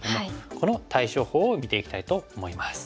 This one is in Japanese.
この対処法を見ていきたいと思います。